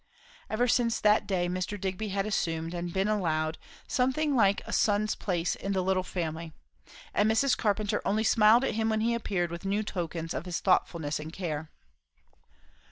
Ever since that day Mr. Digby had assumed, and been allowed, something like a son's place in the little family; and Mrs. Carpenter only smiled at him when he appeared with new tokens of his thoughtfulness and care.